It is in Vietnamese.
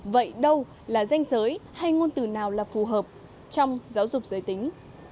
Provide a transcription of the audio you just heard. vậy đâu là danh giới hay ngôn từ nào là phù hợp trong giáo dục giới tính